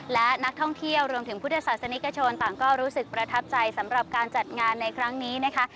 และนักท่องเที่ยวรวมถึงพุทธศาสนิกชนต่างก็รู้สึกประทับใจสำหรับการจัดงานในครั้งนี้นะคะ